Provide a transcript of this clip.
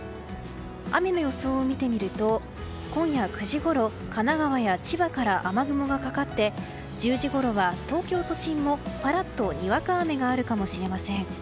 雨の予想を見てみると今夜９時ごろ神奈川や千葉から雨雲がかかって１０時ごろは東京都心もぱらっとにわか雨があるかもしれません。